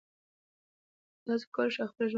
تاسو کولی شئ خپل ژوند بدل کړئ.